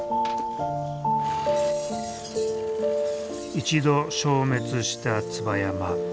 一度消滅した椿山。